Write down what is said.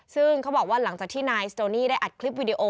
ซึ่งเขาบอกว่าหลังจากที่นายสโจนี่ได้อัดคลิปวิดีโอ